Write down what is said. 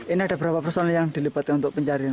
ini ada berapa personil yang dilipati untuk